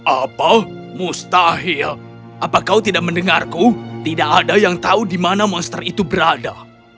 apa mustahil apa kau tidak mendengarku tidak ada yang tahu di mana monster itu berada